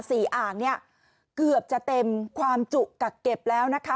อ่างเนี่ยเกือบจะเต็มความจุกักเก็บแล้วนะคะ